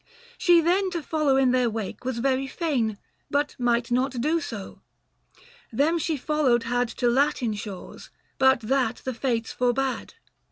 She then To follow in their wake was very fain But might not do so. Them she followed had To Latin shores, but that the Fates forbad.